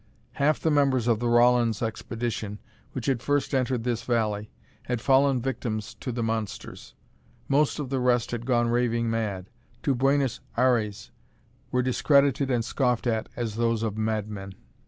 Half the members of the Rawlins Expedition, which had first entered this valley, had fallen victims to the monsters. Most of the rest had gone raving mad. And the stories of the two who returned, sane, to Buenos Aires, were discredited and scoffed at as those of madmen.